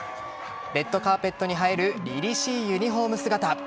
レッドカーペットに映えるりりしいユニホーム姿。